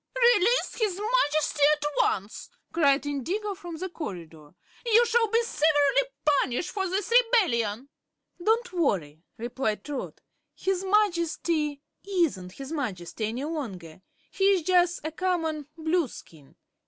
"Release his Majesty at once!" cried Indigo from the corridor. "You shall be severely punished for this rebellion." "Don't worry," replied Trot. "His Majesty isn't his Majesty any longer; he's jus' a common Blueskin.